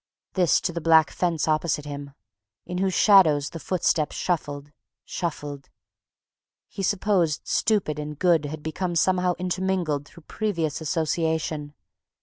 This to the black fence opposite him, in whose shadows the footsteps shuffled ... shuffled. He supposed "stupid" and "good" had become somehow intermingled through previous association.